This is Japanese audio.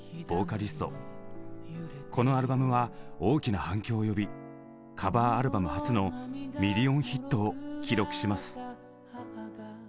このアルバムは大きな反響を呼びカバーアルバム初のミリオンヒットを記録します。